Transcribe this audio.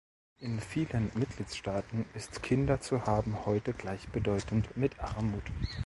In vielen Mitgliedstaaten ist Kinder zu haben heute gleichbedeutend mit Armut.